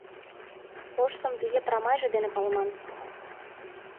Ожсым виге прамайже дене палыман.